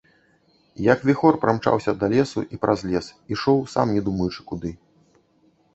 Як віхор прамчаўся да лесу і праз лес, ішоў, сам не думаючы куды.